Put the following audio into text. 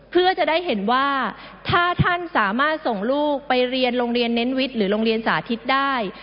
เพื่อจะได้เห็นว่าถ้าท่านสามารถส่งลูกไปเรียนโรงเรียนเน้นวิทย์หรือโรงเรียนสาธิตได้